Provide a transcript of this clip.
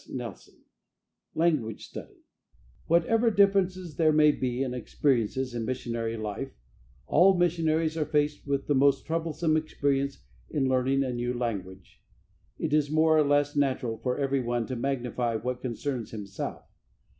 CHAPTER II LANGUAGE STUDY Whatever differences there may be in experiences in missionary life, all missionaries are faced with a most troublesome experience in learning a new language. It is more or less natural for everyone to magnify what concerns himself.